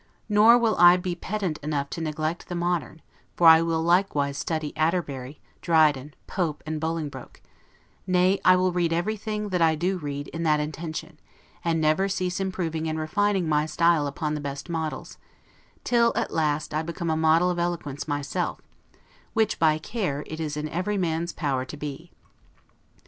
Nor will I be pedant enough to neglect the modern; for I will likewise study Atterbury, Dryden, Pope, and Bolingbroke; nay, I will read everything that I do read in that intention, and never cease improving and refining my style upon the best models, till at last I become a model of eloquence myself, which, by care, it is in every man's power to be.